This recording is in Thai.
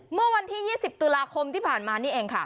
เมื่อวันที่๒๐ตุลาคมที่ผ่านมานี่เองค่ะ